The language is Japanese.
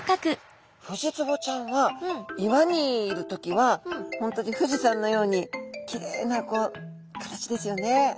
フジツボちゃんは岩にいる時は本当に富士山のようにきれいなこう形ですよね。